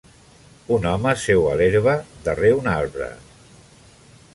Un home seu a l'herba darrer un arbre.